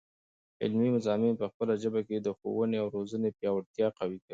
علمي مضامین په خپله ژبه کې، د ښوونې او روزني پیاوړتیا قوي.